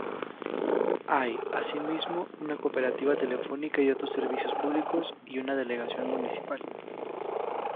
Hay asimismo una Cooperativa Telefónica y otros Servicios Públicos y una Delegación Municipal.